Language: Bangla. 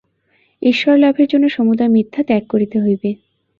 ঈশ্বরলাভের জন্য সমুদয় মিথ্যা ত্যাগ করিতে হইবে।